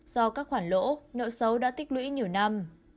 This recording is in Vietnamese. do các khoản lỗ nợ xấu đã tích lũy nhiều năm